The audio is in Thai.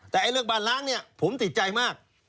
แต่เรื่องบ้านล้างเนี่ยผมติดใจมาก